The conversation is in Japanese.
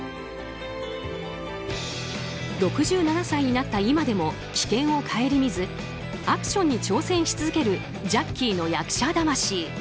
６７歳になった今でも危険を顧みずアクションに挑戦し続けるジャッキーの役者魂。